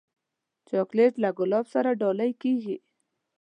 چاکلېټ له ګلاب سره ډالۍ کېږي.